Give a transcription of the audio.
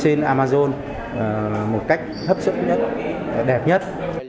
trên amazon một cách hấp dẫn nhất đẹp nhất